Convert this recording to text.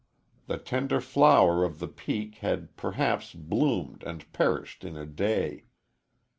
The tender flower of the peak had perhaps bloomed and perished in a day.